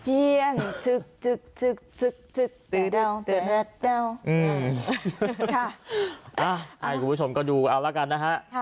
อันนี้คุณผู้ชมก็ดูเอาแล้วกันนะฮะ